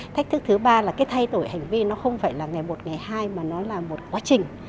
thách thức thứ ba là cái thay đổi hành vi nó không phải là ngày một ngày hai mà nó là một quá trình